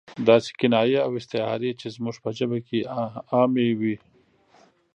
داسې کنایې او استعارې چې زموږ په ژبه کې عامې وي.